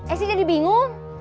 eh sih jadi bingung